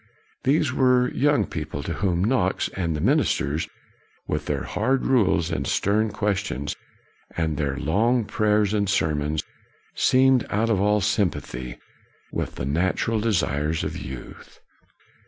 These were young people, to whom Knox and the ministers, with their hard rules and stern questions, and their long prayers and sermons, seemed out of all sympathy with the nat ural desires of youth.